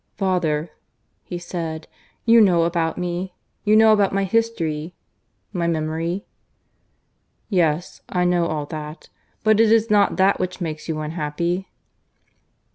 "Father," he said, "you know about me? You know about my history? ... My memory?" "Yes, I know all that. But it is not that which makes you unhappy?"